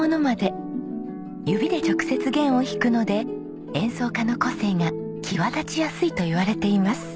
指で直接弦を弾くので演奏家の個性が際立ちやすいといわれています。